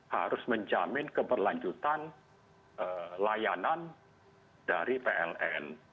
harus menjamin keberlanjutan layanan dari pln